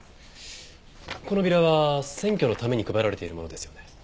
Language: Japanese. このビラは選挙のために配られているものですよね？